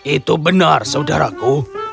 itu benar saudaraku